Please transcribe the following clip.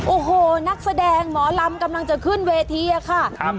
โอ้โหนักแสดงหมอลำกำลังจะขึ้นเวทีอะค่ะ